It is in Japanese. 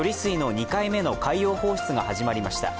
２回目の海洋放出が始まりました。